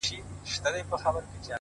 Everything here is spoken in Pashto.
• دا کاڼي د غضب یوازي زموږ پر کلي اوري,